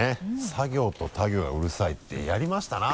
「さ行」と「た行」がうるさいってやりましたな